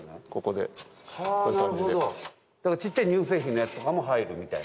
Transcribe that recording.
だからちっちゃい乳製品のやつとかも入るみたいな。